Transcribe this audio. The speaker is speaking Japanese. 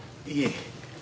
いいえ。